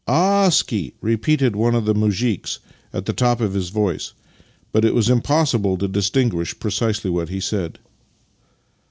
" A a a skie! " repeated one of the muzhiks at the top of his voice, but it was impossible to distinguish precisely what he said.